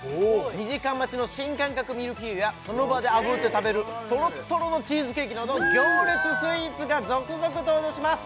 ２時間待ちの新感覚ミルフィーユやその場であぶって食べるとろっとろのチーズケーキなど行列スイーツが続々登場します！